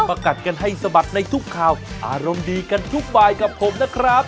กัดกันให้สะบัดในทุกข่าวอารมณ์ดีกันทุกบายกับผมนะครับ